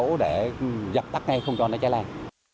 có lực lượng để giặt tắt ngay không cho nó cháy lại